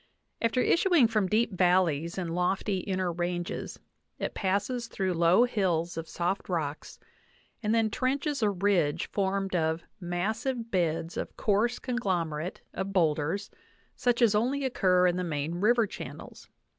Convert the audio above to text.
After issuing from deep valleys in lofty inner ranges it passes through low hills of soft rocks, and then trenches a ridge formed of "massive beds of coarse conglomerate of boulders, such as only occur in the main river channels.